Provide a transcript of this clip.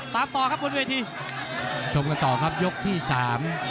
ตามต่อครับบนเวทีชมกันต่อครับยกที่สาม